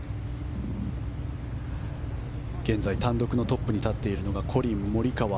現在単独のトップに立っているコリン・モリカワ。